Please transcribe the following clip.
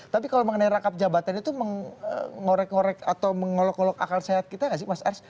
tapi kalau mengenai rangkap jabatan itu mengorek ngorek atau mengolok ngolok akal sehat kita nggak sih mas ars